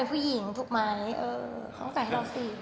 เป็นผู้หญิงถูกไหมเขาต้องจ่ายให้เราสิ